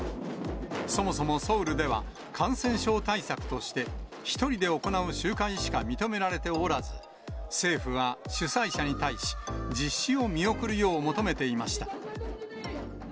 そもそもソウルでは、感染症対策として、１人で行う集会しか認められておらず、政府は主催者に対し、実施を見送るよう求めていました。